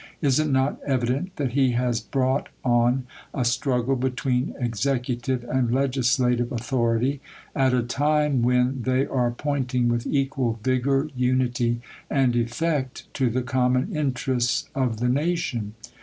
Is it not evident that he has brought on a struggle between executive and legislative authority, at a time when they are pointing with equal vigour, unity, and effect, to the common interests of the nation